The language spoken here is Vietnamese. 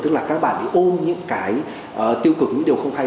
tức là các bạn bị ôm những cái tiêu cực những điều không hay